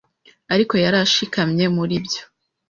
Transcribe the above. Ariko yari ashikamye muri byo